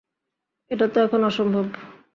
এটা তো এখন অসম্ভব!